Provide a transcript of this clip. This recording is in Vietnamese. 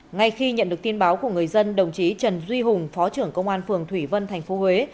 ngay khi nhận được tin báo của người dân đồng chí trần duy hùng phó trưởng công an phường thủy vân tp huế